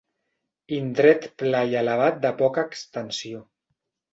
Indret pla i elevat de poca extensió.